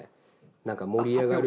なんか盛り上がる。